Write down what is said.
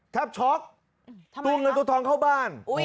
ช็อกตัวเงินตัวทองเข้าบ้าน